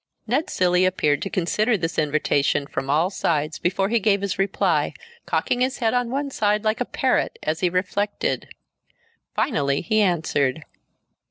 Ned Cilley appeared to consider this invitation from all sides before he gave his reply, cocking his head on one side like a parrot as he reflected. Finally, he answered.